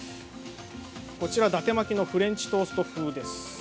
こちら、だて巻きのフレンチトースト風です。